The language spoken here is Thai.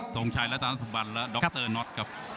สงชัยแล้วตั้งแต่สุบัติแล้วดรน็อตกับ